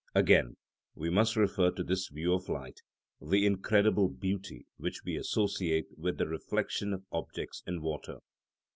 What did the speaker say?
Again, we must refer to this view of light the incredible beauty which we associate with the reflection of objects in water.